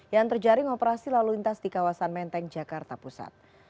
yang terjaring operasi lalu lintas di kawasan menteng jakarta pusat